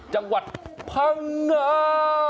จังหวัดพังงา